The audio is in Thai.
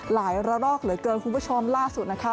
ระลอกเหลือเกินคุณผู้ชมล่าสุดนะคะ